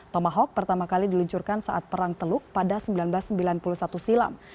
tomahawk pertama kali diluncurkan saat perang teluk pada seribu sembilan ratus sembilan puluh satu silam